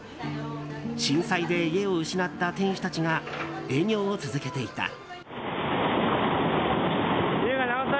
震災で家を失った店主たちが営業を続けていた。